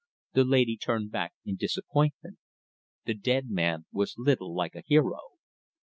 The lady turned back in disappointment the dead man was little like a hero.